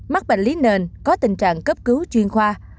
mắc bệnh lý nền có tình trạng cấp cứu chuyên khoa